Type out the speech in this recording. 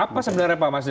apa sebenarnya pak mas